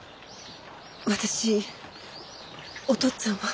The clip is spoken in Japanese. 私お父っつぁんは。